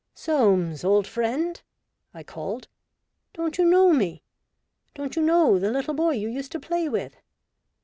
" Soames, old friend/' I called, " don't you know me ? Don't you know the little boy you used to play with